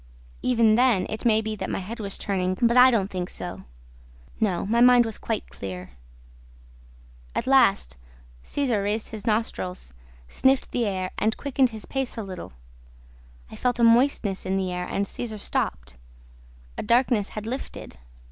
Even then, it may be that my head was turning, but I don't think so: no, my mind was quite clear. At last, Cesar raised his nostrils, sniffed the air and quickened his pace a little. I felt a moistness in the air and Cesar stopped. The darkness had lifted.